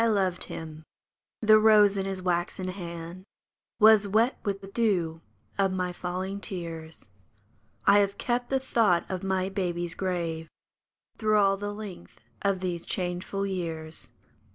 1 loved him. The rose in his waxen hand Was wet with the dew of my falling tears ; I have kept the thought of my baby's grave Through all the length of these changeful years.